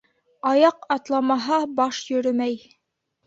Аяҡ атламаһа, баш йөрөмәй.